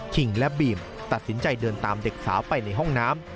และบีมตัดสินใจเดินตามเด็กสาวไปในห้องน้ำ